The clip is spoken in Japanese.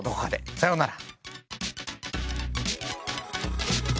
さようなら。